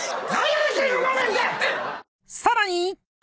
［さらに］